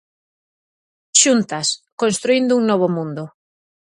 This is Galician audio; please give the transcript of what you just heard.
Xuntas, construíndo un novo mundo.